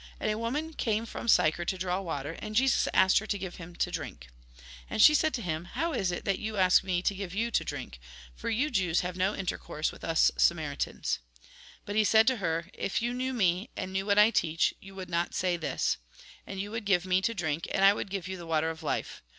And a woman came from Sychar to draw water, and Jesus asked her to give him to drink. And she said to him :" How is it that you ask me to gi\ e you to drink ? For you Jews have no intercourse with us Samaritans.'' But he said to her :" If you knew me, and knew what I teach, you would not say this, and you would give me to drink, and I would give you the water of life.